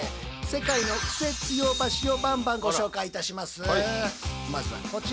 世界のクセつよ橋をバンバンご紹介いたします。